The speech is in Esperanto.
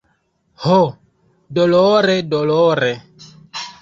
Ho, dolore, dolore!